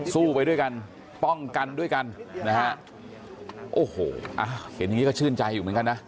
ไปด้วยกันป้องกันด้วยกันนะฮะโอ้โหอ่ะเห็นอย่างงี้ก็ชื่นใจอยู่เหมือนกันนะ